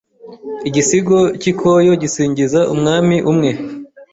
Igisigo k’ikoyo gisingiza umwami umwe